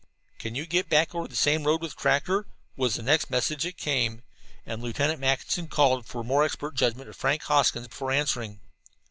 "Can you get back over the same road with tractor?" was the next message that came, and Lieutenant Mackinson called for the more expert judgment of Frank Hoskins before answering.